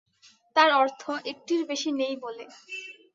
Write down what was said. তার অর্থ, একটির বেশি নেই বলে।